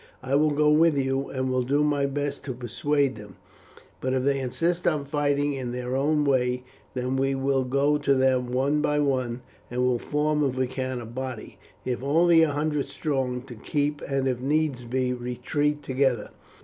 I will go with you, and will do my best to persuade them; but if they insist on fighting in their own way, then we will go to them one by one, and will form if we can a body, if only a hundred strong, to keep, and if needs be, retreat together.